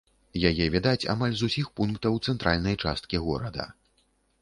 Яе відаць амаль з усіх пунктаў цэнтральнай часткі горада.